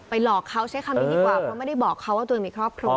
หลอกเขาใช้คำนี้ดีกว่าเพราะไม่ได้บอกเขาว่าตัวเองมีครอบครัว